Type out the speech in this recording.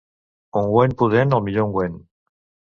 Ungüent pudent, el millor ungüent.